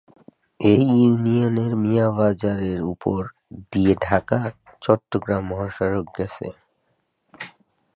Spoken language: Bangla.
এই ইউনিয়নের মিয়া বাজার এর উপর দিয়ে ঢাকা চট্টগ্রাম মহাসড়ক গেছে।